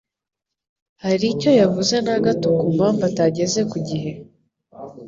hari icyo yavuze na gato ku mpamvu atageze ku gihe?